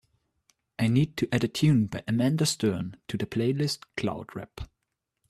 I need to add a tune by Amanda Stern to the playlist cloud rap.